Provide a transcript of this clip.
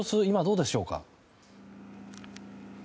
今、どうでしょうか。